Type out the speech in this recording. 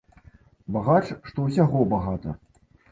Багач, што ўсяго багата.